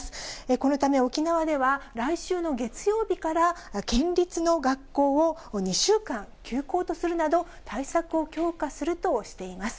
このため沖縄では、来週の月曜日から、県立の学校を２週間、休校とするなど、対策を強化するとしています。